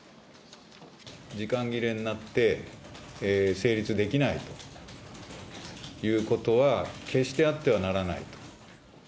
時間切れになって、成立できないということは決してあってはならない。